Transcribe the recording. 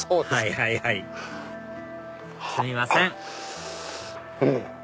はいはいはいすみませんうん！